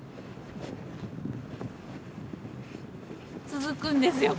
続くんですよ